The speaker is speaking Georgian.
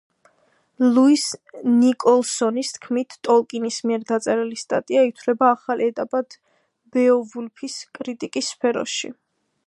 ლუის ნიკოლსონის თქმით, ტოლკინის მიერ დაწერილი სტატია ითვლება ახალ ეტაპად ბეოვულფის კრიტიკის სფეროში.